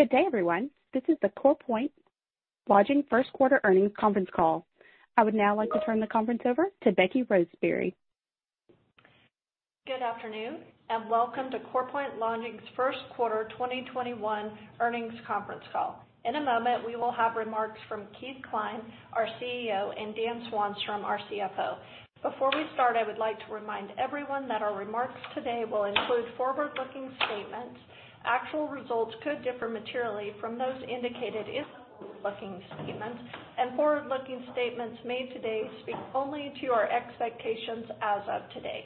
Good day, everyone. This is the CorePoint Lodging First quarter earnings conference call. I would now like to turn the conference over to Becky Roseberry. Good afternoon, and welcome to CorePoint Lodging's first quarter 2021 earnings conference call. In a moment, we will have remarks from Keith Cline, our CEO, and Dan Swanstrom, our CFO. Before we start, I would like to remind everyone that our remarks today will include forward-looking statements. Actual results could differ materially from those indicated in forward-looking statements, and forward-looking statements made today speak only to our expectations as of today.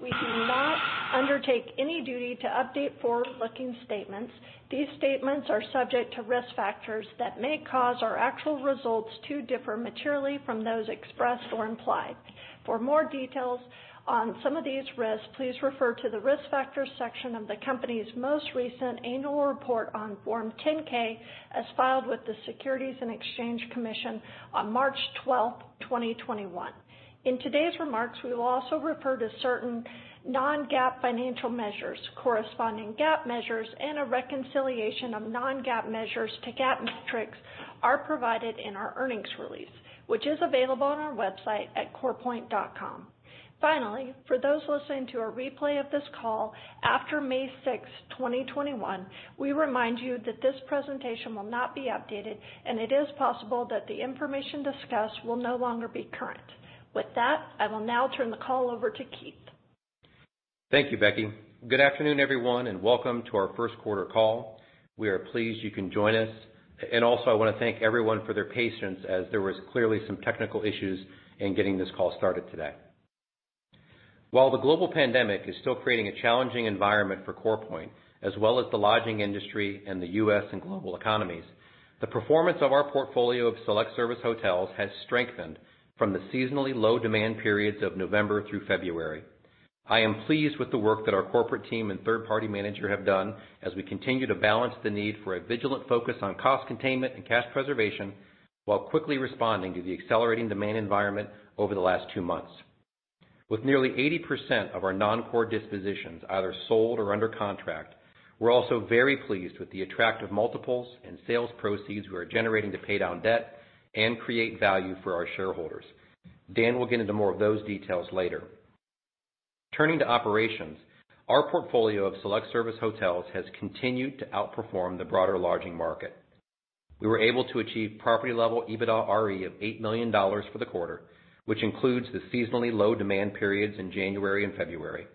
We do not undertake any duty to update forward-looking statements. These statements are subject to risk factors that may cause our actual results to differ materially from those expressed or implied. For more details on some of these risks, please refer to the Risk Factors section of the company's most recent annual report on Form 10-K, as filed with the Securities and Exchange Commission on March 12, 2021. In today's remarks, we will also refer to certain non-GAAP financial measures. Corresponding GAAP measures and a reconciliation of non-GAAP measures to GAAP metrics are provided in our earnings release, which is available on our website at corepoint.com. Finally, for those listening to a replay of this call after May 6, 2021, we remind you that this presentation will not be updated, and it is possible that the information discussed will no longer be current. With that, I will now turn the call over to Keith. Thank you, Becky. Good afternoon, everyone, and welcome to our first quarter call. We are pleased you can join us, and also I want to thank everyone for their patience as there was clearly some technical issues in getting this call started today. While the global pandemic is still creating a challenging environment for CorePoint, as well as the lodging industry and the U.S. and global economies, the performance of our portfolio of select-service hotels has strengthened from the seasonally low demand periods of November through February. I am pleased with the work that our corporate team and third-party manager have done as we continue to balance the need for a vigilant focus on cost containment and cash preservation, while quickly responding to the accelerating demand environment over the last two months. With nearly 80% of our non-core dispositions either sold or under contract, we're also very pleased with the attractive multiples and sales proceeds we are generating to pay down debt and create value for our shareholders. Dan will get into more of those details later. Turning to operations, our portfolio of select-service hotels has continued to outperform the broader lodging market. We were able to achieve property-level EBITDAre of $8 million for the quarter, which includes the seasonally low demand periods in January and February.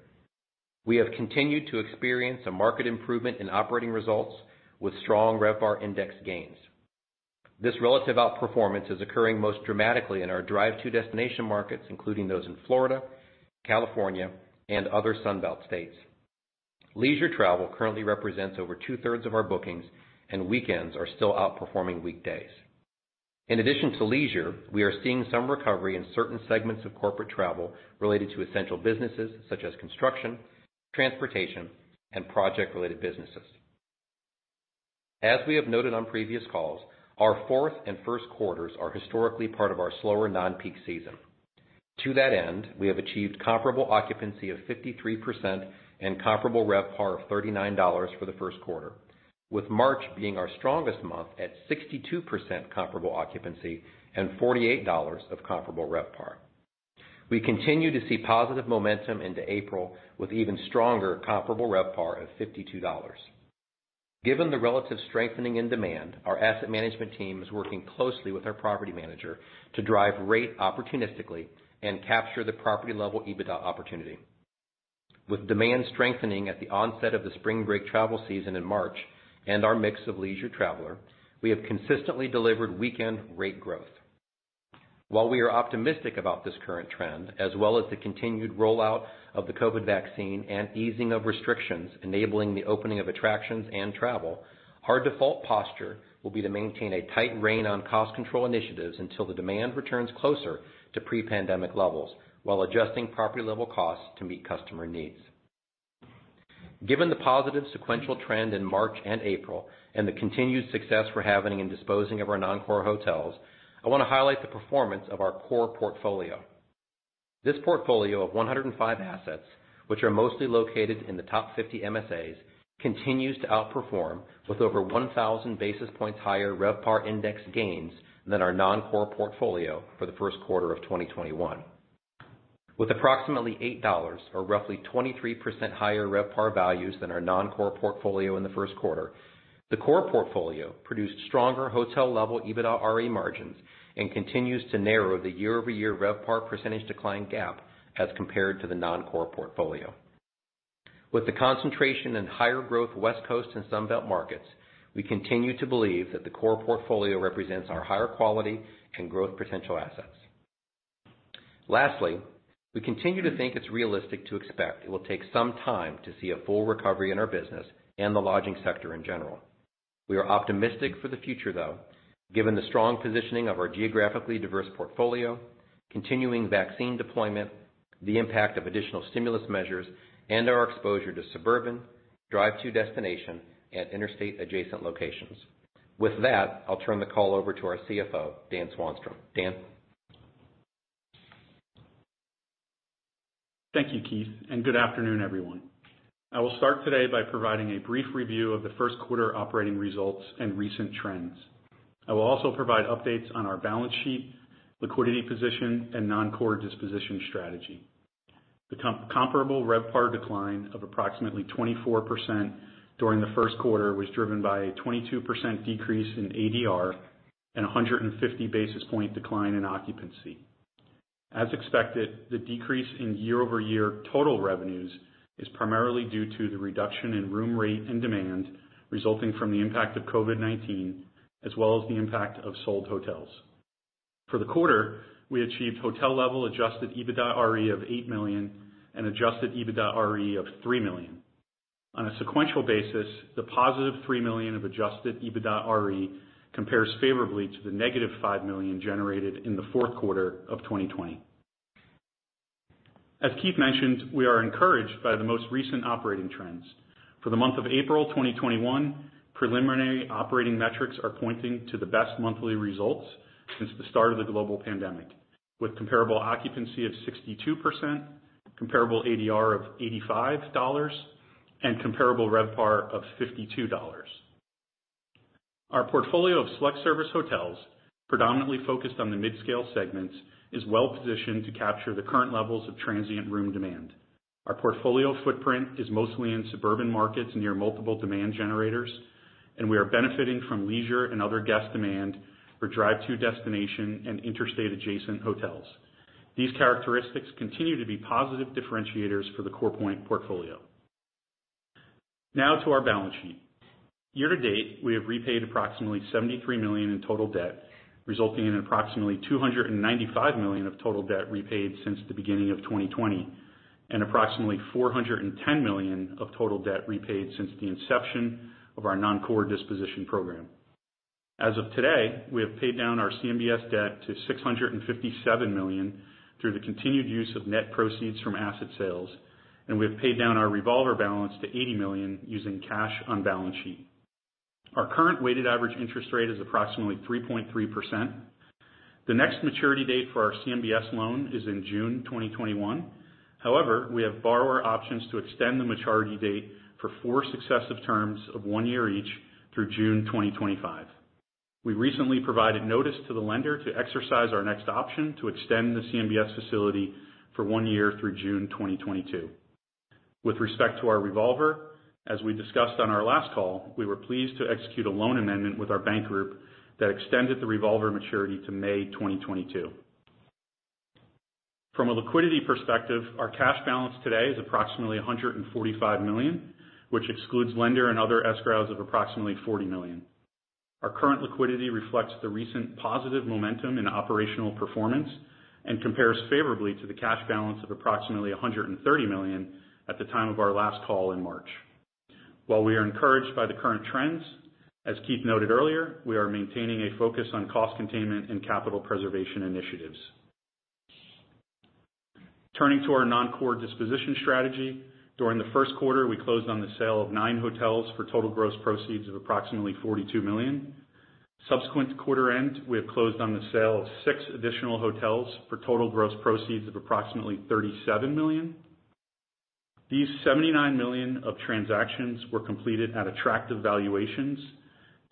We have continued to experience a market improvement in operating results with strong RevPAR index gains. This relative outperformance is occurring most dramatically in our drive-to destination markets, including those in Florida, California, and other Sun Belt states. Leisure travel currently represents over 2/3 of our bookings, and weekends are still outperforming weekdays. In addition to leisure, we are seeing some recovery in certain segments of corporate travel related to essential businesses such as construction, transportation, and project-related businesses. As we have noted on previous calls, our fourth and first quarters are historically part of our slower, non-peak season. To that end, we have achieved comparable occupancy of 53% and comparable RevPAR of $39 for the first quarter, with March being our strongest month at 62% comparable occupancy and $48 of comparable RevPAR. We continue to see positive momentum into April with even stronger comparable RevPAR of $52. Given the relative strengthening in demand, our asset management team is working closely with our property manager to drive rate opportunistically and capture the property-level EBITDA opportunity. With demand strengthening at the onset of the spring break travel season in March and our mix of leisure traveler, we have consistently delivered weekend rate growth. While we are optimistic about this current trend, as well as the continued rollout of the COVID-19 vaccine and easing of restrictions enabling the opening of attractions and travel, our default posture will be to maintain a tight rein on cost control initiatives until the demand returns closer to pre-pandemic levels while adjusting property-level costs to meet customer needs. Given the positive sequential trend in March and April and the continued success we're having in disposing of our non-core hotels, I want to highlight the performance of our core portfolio. This portfolio of 105 assets, which are mostly located in the top 50 MSAs, continues to outperform with over 1,000 basis points higher RevPAR index gains than our non-core portfolio for the first quarter of 2021. With approximately $8 or roughly 23% higher RevPAR values than our non-core portfolio in the first quarter, the core portfolio produced stronger hotel-level EBITDAre margins and continues to narrow the year-over-year RevPAR percentage decline gap as compared to the non-core portfolio. With the concentration in higher growth West Coast and Sun Belt markets, we continue to believe that the core portfolio represents our higher quality and growth potential assets. Lastly, we continue to think it's realistic to expect it will take some time to see a full recovery in our business and the lodging sector in general. We are optimistic for the future, though, given the strong positioning of our geographically diverse portfolio, continuing vaccine deployment, the impact of additional stimulus measures, and our exposure to suburban, drive-to destination, and interstate adjacent locations. With that, I'll turn the call over to our CFO, Dan Swanstrom. Dan? Thank you, Keith, and good afternoon, everyone. I will start today by providing a brief review of the first quarter operating results and recent trends. I will also provide updates on our balance sheet, liquidity position, and non-core disposition strategy. The comparable RevPAR decline of approximately 24% during the first quarter was driven by a 22% decrease in ADR and 150 basis points decline in occupancy. As expected, the decrease in year-over-year total revenues is primarily due to the reduction in room rate and demand resulting from the impact of COVID-19, as well as the impact of sold hotels. For the quarter, we achieved hotel Adjusted EBITDAre of $8 million and Adjusted EBITDAre of $3 million. On a sequential basis, the positive $3 million of Adjusted EBITDAre compares favorably to the negative $5 million generated in the fourth quarter of 2020. As Keith mentioned, we are encouraged by the most recent operating trends. For the month of April 2021, preliminary operating metrics are pointing to the best monthly results since the start of the global pandemic, with comparable occupancy of 62%, comparable ADR of $85, and comparable RevPAR of $52. Our portfolio of select-service hotels, predominantly focused on the mid-scale segments, is well positioned to capture the current levels of transient room demand. Our portfolio footprint is mostly in suburban markets, near multiple demand generators, and we are benefiting from leisure and other guest demand for drive-to destination and interstate adjacent hotels. These characteristics continue to be positive differentiators for the CorePoint portfolio. Now to our balance sheet. Year to date, we have repaid approximately $73 million in total debt, resulting in approximately $295 million of total debt repaid since the beginning of 2020, and approximately $410 million of total debt repaid since the inception of our non-core disposition program. As of today, we have paid down our CMBS debt to $657 million through the continued use of net proceeds from asset sales, and we have paid down our revolver balance to $80 million using cash on balance sheet. Our current weighted average interest rate is approximately 3.3%. The next maturity date for our CMBS loan is in June 2021. However, we have borrower options to extend the maturity date for four successive terms of one year each, through June 2025. We recently provided notice to the lender to exercise our next option to extend the CMBS facility for one year through June 2022. With respect to our revolver, as we discussed on our last call, we were pleased to execute a loan amendment with our bank group that extended the revolver maturity to May 2022. From a liquidity perspective, our cash balance today is approximately $145 million, which excludes lender and other escrows of approximately $40 million. Our current liquidity reflects the recent positive momentum in operational performance and compares favorably to the cash balance of approximately $130 million at the time of our last call in March. While we are encouraged by the current trends, as Keith noted earlier, we are maintaining a focus on cost containment and capital preservation initiatives. Turning to our non-core disposition strategy, during the first quarter, we closed on the sale of nine hotels for total gross proceeds of approximately $42 million. Subsequent to quarter end, we have closed on the sale of six additional hotels for total gross proceeds of approximately $37 million. These $79 million of transactions were completed at attractive valuations,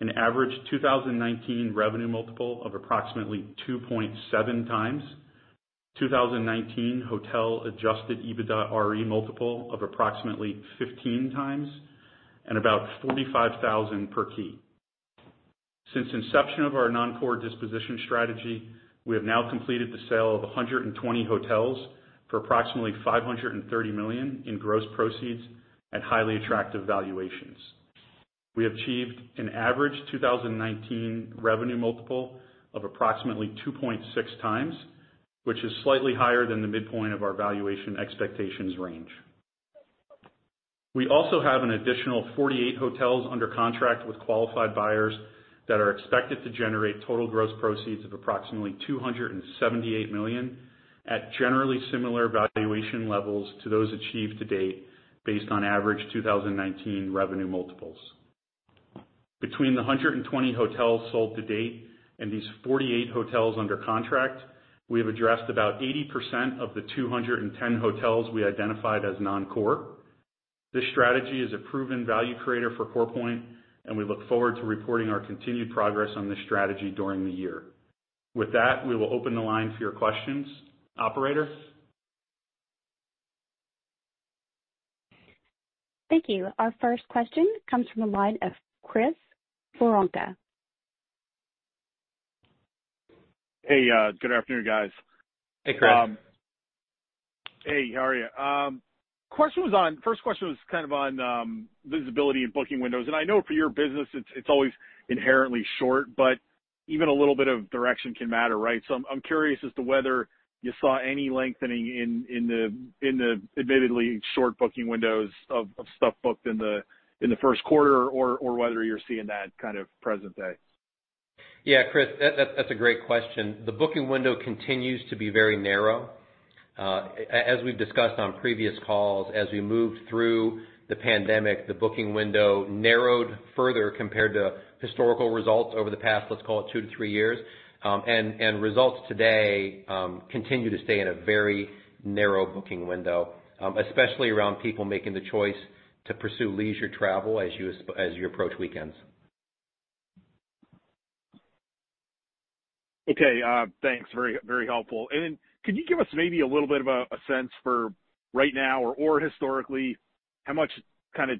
an average 2019 revenue multiple of approximately 2.7x, 2019 hotel Adjusted EBITDAre multiple of approximately 15x, and about $45,000 per key. Since inception of our non-core disposition strategy, we have now completed the sale of 120 hotels for approximately $530 million in gross proceeds at highly attractive valuations. We achieved an average 2019 revenue multiple of approximately 2.6x, which is slightly higher than the midpoint of our valuation expectations range. We also have an additional 48 hotels under contract with qualified buyers that are expected to generate total gross proceeds of approximately $278 million at generally similar valuation levels to those achieved to date, based on average 2019 revenue multiples. Between the 120 hotels sold to date and these 48 hotels under contract, we have addressed about 80% of the 210 hotels we identified as non-core. This strategy is a proven value creator for CorePoint, and we look forward to reporting our continued progress on this strategy during the year. With that, we will open the line for your questions. Operator? Thank you. Our first question comes from the line of Chris Woronka. Hey, good afternoon, guys. Hey, Chris. Hey, how are you? First question was on visibility in booking windows, I know for your business, it's always inherently short, but even a little bit of direction can matter, right? I'm curious as to whether you saw any lengthening in the admittedly short booking windows of stuff booked in the first quarter or whether you're seeing that kind of present day? Yeah, Chris, that's a great question. The booking window continues to be very narrow. As we've discussed on previous calls, as we moved through the pandemic, the booking window narrowed further compared to historical results over the past, let's call it 2-3 years. And results today continue to stay in a very narrow booking window, especially around people making the choice to pursue leisure travel as you approach weekends. Okay. Thanks. Very helpful. Could you give us maybe a little bit of a sense for right now or historically, how much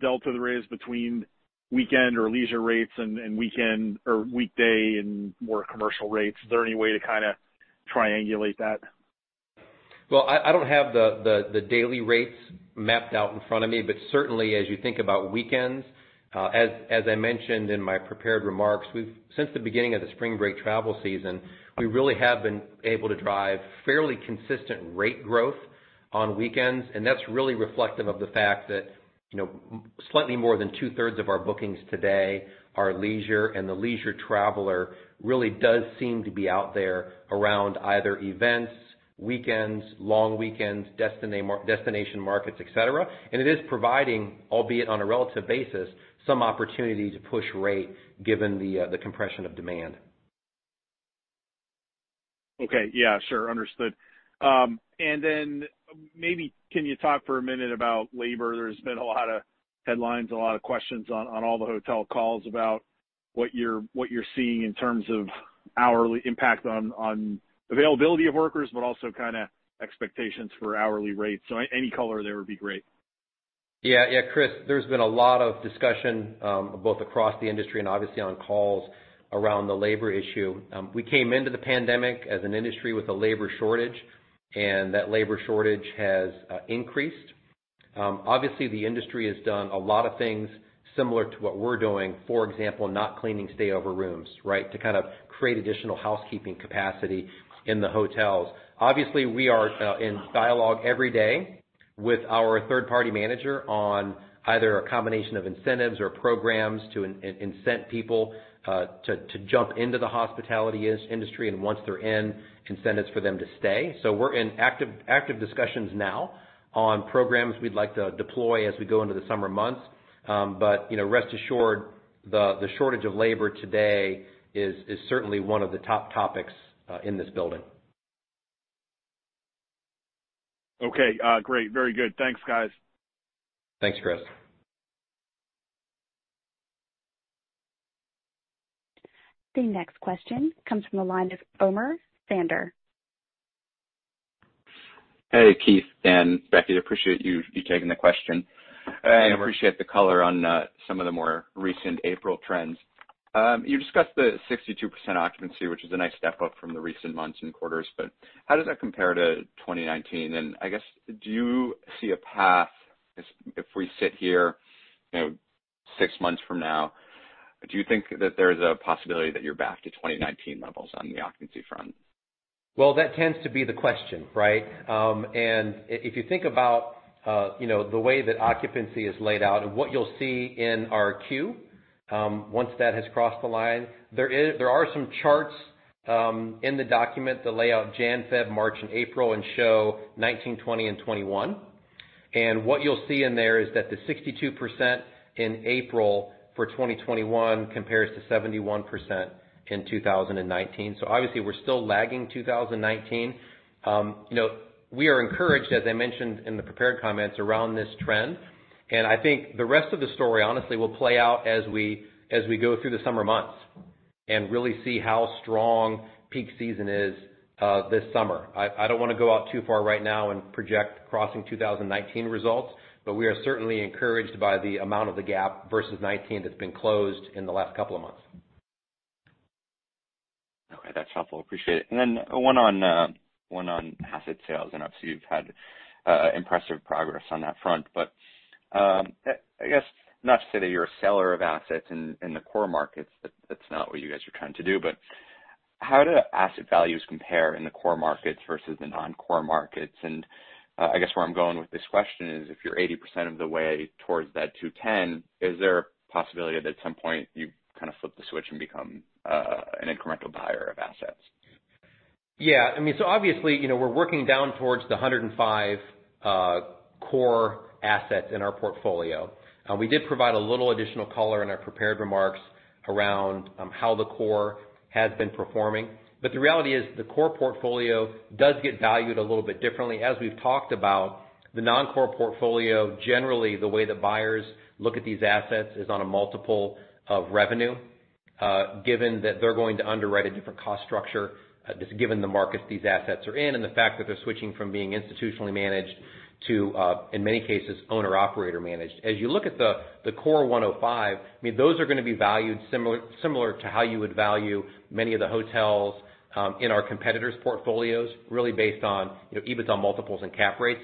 delta there is between weekend or leisure rates and weekday and more commercial rates? Is there any way to triangulate that? I don't have the daily rates mapped out in front of me, but certainly as you think about weekends, as I mentioned in my prepared remarks, since the beginning of the spring break travel season, we really have been able to drive fairly consistent rate growth on weekends. And that's really reflective of the fact that slightly more than 2/3 of our bookings today are leisure, and the leisure traveler really does seem to be out there around either events, weekends, long weekends, destination markets, et cetera. It is providing, albeit on a relative basis, some opportunity to push rate given the compression of demand. Okay. Yeah, sure. Understood. And then maybe can you talk for a minute about labor? There's been a lot of headlines, a lot of questions on all the hotel calls about what you're seeing in terms of hourly impact on availability of workers, but also expectations for hourly rates. Any color there would be great. Yeah. Chris, there's been a lot of discussion, both across the industry and obviously on calls, around the labor issue. We came into the pandemic as an industry with a labor shortage, and that labor shortage has increased. Obviously, the industry has done a lot of things similar to what we're doing, for example, not cleaning stayover rooms, to create additional housekeeping capacity in the hotels. Obviously, we are in dialogue every day with our third-party manager on either a combination of incentives or programs to incent people, to jump into the hospitality industry and once they're in, incentives for them to stay. So we're in active discussions now on programs we'd like to deploy as we go into the summer months. But rest assured, the shortage of labor today is certainly one of the top topics in this building. Okay. Great. Very good. Thanks, guys. Thanks, Chris. The next question comes from the line of Omer Sander. Hey, Keith and Becky. Appreciate you taking the question. Hey, Omer. Appreciate the color on some of the more recent April trends. You discussed the 62% occupancy, which is a nice step up from the recent months and quarters, but how does that compare to 2019? I guess, do you see a path if we sit here six months from now, do you think that there's a possibility that you're back to 2019 levels on the occupancy front? Well, that tends to be the question, right? If you think about the way that occupancy is laid out and what you'll see in our Q, once that has crossed the line, there are some charts in the document that lay out January, February, March, and April and show 2019, 2020, and 2021. What you'll see in there is that the 62% in April for 2021 compares to 71% in 2019. Obviously, we're still lagging 2019. We are encouraged, as I mentioned in the prepared comments around this trend, and I think the rest of the story, honestly, will play out as we go through the summer months and really see how strong peak season is this summer. I don't want to go out too far right now and project crossing 2019 results, but we are certainly encouraged by the amount of the gap versus 2019 that's been closed in the last couple of months. Okay. That's helpful. Appreciate it. Then one on asset sales, obviously you've had impressive progress on that front, I guess not to say that you're a seller of assets in the core markets, that's not what you guys are trying to do, how do asset values compare in the core markets versus the non-core markets? I guess where I'm going with this question is, if you're 80% of the way towards that 210, is there a possibility that at some point you flip the switch and become an incremental buyer of assets? Yeah. Obviously, we're working down towards the 105 core assets in our portfolio. We did provide a little additional color in our prepared remarks around how the core has been performing. The reality is the core portfolio does get valued a little bit differently. As we've talked about the non-core portfolio, generally, the way that buyers look at these assets is on a multiple of revenue, given that they're going to underwrite a different cost structure, just given the markets these assets are in and the fact that they're switching from being institutionally managed to, in many cases, owner/operator managed. As you look at the core 105, those are going to be valued similar to how you would value many of the hotels in our competitors' portfolios, really based on EBITDA multiples and cap rates.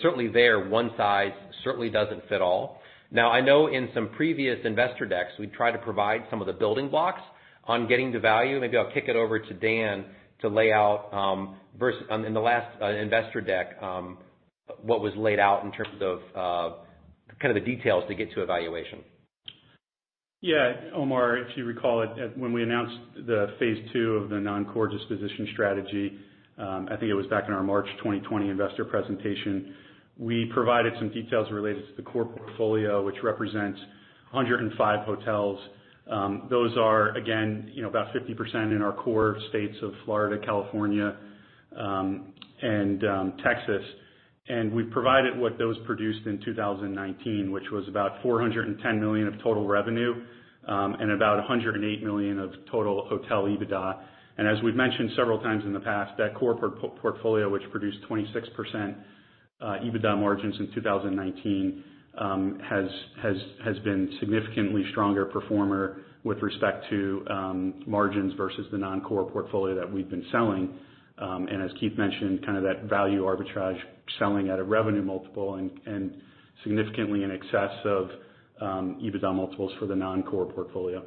Certainly there, one size certainly doesn't fit all. Now, I know in some previous investor decks, we've tried to provide some of the building blocks on getting to value. Maybe I'll kick it over to Dan to lay out, in the last investor deck, what was laid out in terms of the details to get to a valuation. Yeah. Omer, if you recall it, when we announced the phase two of the non-core disposition strategy, I think it was back in our March 2020 Investor Presentation, we provided some details related to the core portfolio, which represents 105 hotels. Those are, again, about 50% in our core states of Florida, California, and Texas. We provided what those produced in 2019, which was about $410 million of total revenue, and about $108 million of total hotel EBITDA. As we've mentioned several times in the past, that core portfolio, which produced 26% EBITDA margins in 2019, has been significantly stronger performer with respect to margins versus the non-core portfolio that we've been selling. As Keith mentioned, that value arbitrage selling at a revenue multiple and significantly in excess of EBITDA multiples for the non-core portfolio.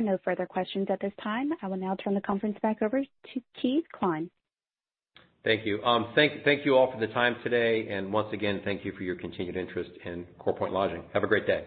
All right. Thanks. There are no further questions at this time. I will now turn the conference back over to Keith Cline. Thank you. Thank you all for the time today, and once again, thank you for your continued interest in CorePoint Lodging. Have a great day.